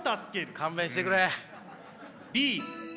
勘弁してくれ。